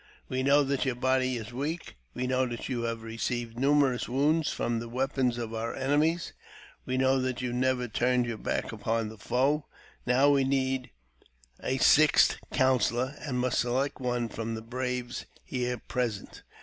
We know that your body is weak. We know that you have received numerous wounds i from the weapons of our enemies. We know that you nevejB turned your back upon the foe. Now we need a sixth coun . sellor, and must select one from the braves here present.